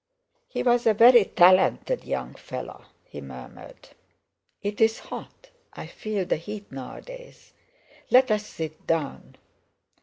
"He was a very talented young fellow," he murmured. "It's hot; I feel the heat nowadays. Let's sit down."